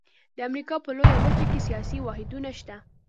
د امریکا په لویه وچه کې سیاسي واحدونه شته.